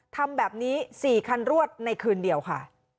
ทำแบบนี้๔คันรวดในคืนเดียวค่ะ